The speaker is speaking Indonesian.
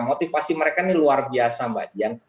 motivasi mereka ini luar biasa mbak dian